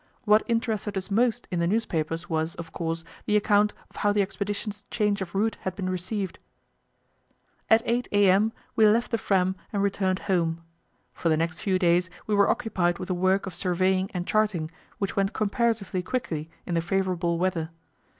What interested us most in the newspapers was, of course, the account of how the expedition's change of route had been received. At 8 a.m. we left the Fram and returned home. For the next few days we were occupied with the work of surveying and charting, which went comparatively quickly in the favourable weather.